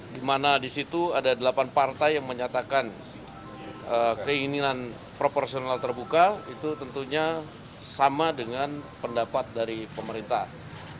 dimana disitu ada delapan partai yang menyatakan keinginan proporsional terbuka itu tentunya sama dengan pendapat dari pemerintah